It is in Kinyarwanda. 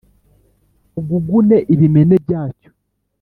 ugugune ibimene byacyo